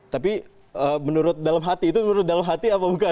tapi menurut dalam hati itu menurut dalam hati apa bukan